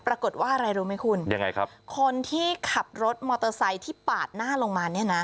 ปรากฏว่าอะไรรู้ไหมคุณยังไงครับคนที่ขับรถมอเตอร์ไซค์ที่ปาดหน้าลงมาเนี่ยนะ